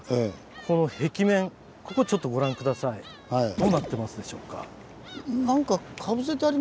どうなってますでしょうか？